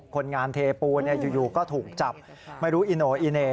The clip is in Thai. คนงานเทปูนอยู่ก็ถูกจับไม่รู้อิโนอิเน่